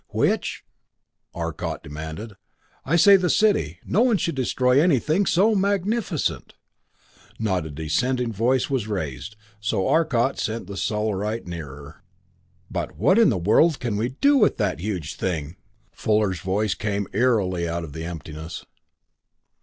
"Which?" Arcot demanded. "I say the city. No one should destroy anything so magnificent." Not a dissenting voice was raised, so Arcot sent the Solarite nearer. "But what in the world can we do to that huge thing?" Fuller's voice came eerily out of the emptiness.